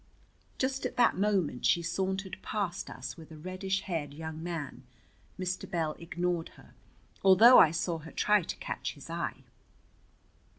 Just at that moment she sauntered past us with a reddish haired young man. Mr. Bell ignored her, although I saw her try to catch his eye.